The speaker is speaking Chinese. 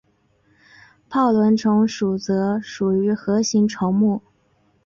泡轮虫属则属于核形虫目。